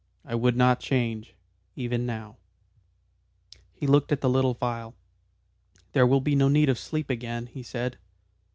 I would not change. Even now." He looked at the little phial. "There will be no need of sleep again," he said.